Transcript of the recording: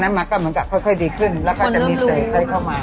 แต่ตอนนั้นมักก็ค่อยดีขึ้นแล้วก็จะมีเสร็จได้เข้ามา